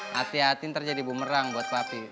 hati hati ntar jadi bumerang buat papi